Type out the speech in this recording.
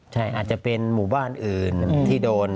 ใช่อาจจะเป็นหมู่บ้านอื่นที่โดน